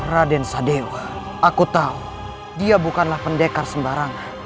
raden sadeo aku tahu dia bukanlah pendekar sembarangan